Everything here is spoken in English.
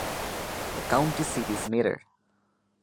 The county seat is Metter.